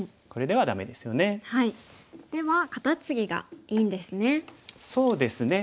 ではカタツギがいいんですね。